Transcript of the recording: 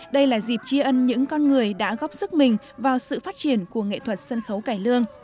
đây là dịp chia ân những con người đã góp sức mình vào sự phát triển của nghệ thuật sân khấu cải lương